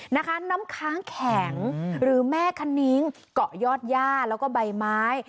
น้ำค้างแข็งหรือแม่คณิ้งเกาะยอดย่าแล้วก็ใบไม้